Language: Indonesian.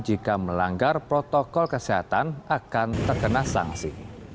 jika melanggar protokol kesehatan akan terkena sanksi